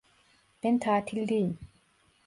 Ben tatildeyim.